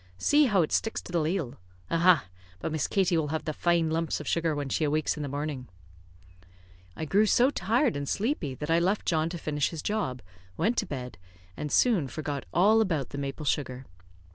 See how it sticks to the ladle. Aha! But Miss Katie will have the fine lumps of sugar when she awakes in the morning." I grew so tired and sleepy that I left John to finish his job, went to bed, and soon forgot all about the maple sugar.